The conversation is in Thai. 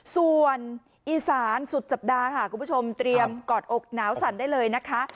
ส่วนอีสานสุดสัปดาห์ค่ะคุณผู้ชมเตรียมกอดอกหนาวสั่นได้เลยนะคะ